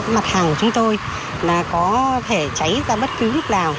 mặt hàng của chúng tôi là có thể cháy ra bất cứ lúc nào